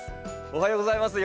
おはようございます。